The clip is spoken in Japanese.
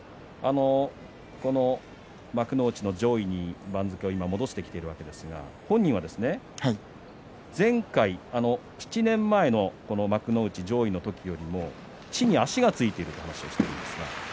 この幕内の上位に番付を今戻してきているわけですが本人は前回、７年前の幕内上位の時よりも地に足がついているという話をしています。